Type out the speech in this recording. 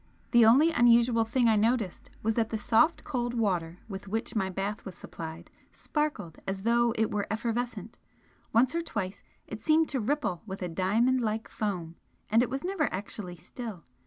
The only unusual thing I noticed was that the soft cold water with which my bath was supplied sparkled as though it were effervescent, once or twice it seemed to ripple with a diamond like foam, and it was never actually still.